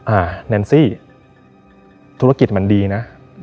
แนนซี่ธุรกิจมันดีนะ